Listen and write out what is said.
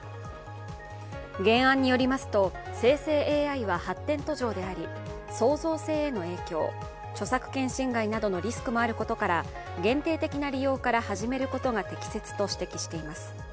原案によりますと、生成ＡＩは発展途上であり創造性への影響、著作権侵害などのリスクもあることから、限定的な利用から始めることが適切と指摘しています。